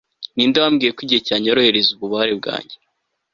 ninde wambwiye ko igihe cyanyorohereza ububabare bwanjye